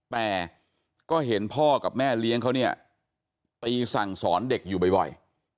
แต่ก็เห็นพ่อกับแม่เลี้ยงเขาเนี่ยตีสั่งสอนเด็กอยู่บ่อย